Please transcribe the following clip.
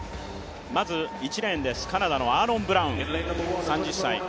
１レーン、カナダのアーロン・ブラウン、３０歳。